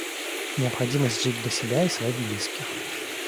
Необходимость жить для себя и своих близких.